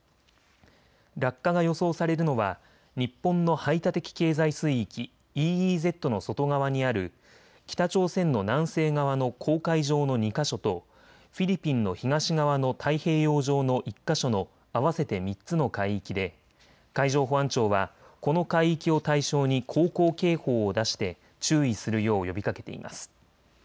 落下が予想されるのは日本の排他的経済水域・ＥＥＺの外側にある北朝鮮の南西側の黄海上の２か所とフィリピンの東側の太平洋上の１か所の合わせて３つの海域で海上保安庁はこの海域を対象に航行警報を出して注意するよう呼びかけています。